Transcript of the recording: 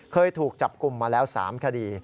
เคยถูกจับกลุ่มมาแล้ว๓คดี